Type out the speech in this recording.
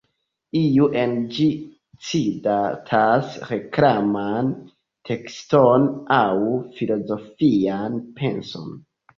Iuj en ĝi citas reklaman tekston aŭ filozofian penson.